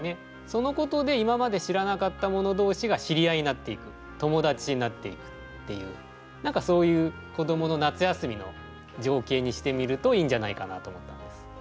そのことでいままで知らなかった者同士が知り合いになっていく友達になっていくっていう何かそういう子どもの夏休みの情景にしてみるといいんじゃないかなと思ったんです。